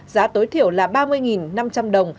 giá tối thiểu là ba mươi năm trăm linh đồng